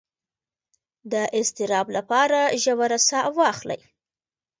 د اضطراب لپاره ژوره ساه واخلئ